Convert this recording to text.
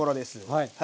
はい。